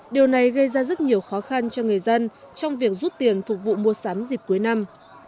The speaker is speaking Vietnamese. điều này gây ra rất nhiều khó khăn cho người dân trong việc rút tiền phục vụ mua sắm dịp cuối năm